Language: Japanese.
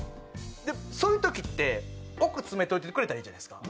そういう時って奥詰めといててくれたらいいじゃないですか。